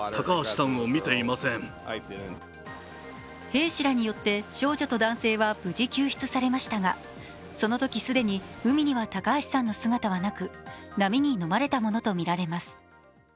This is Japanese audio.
兵士らによって、少女と男性は無事救出されましたがそのときに既に、海には高橋さんの姿はなく波にのまれたものとみられます。